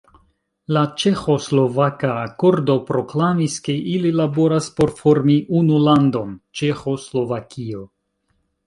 La Ĉeĥo-Slovaka akordo, proklamis ke ili laboras por formi unu landon: “Ĉeĥo-Slovakio”.